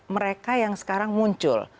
mereka yang sekarang muncul